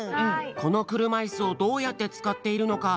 このくるまいすをどうやってつかっているのか